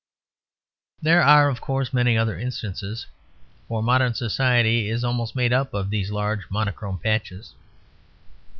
There are, of course, many other instances; for modern society is almost made up of these large monochrome patches.